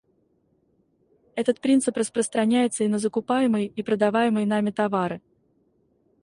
Этот принцип распространяется и на закупаемые и продаваемые нами товары.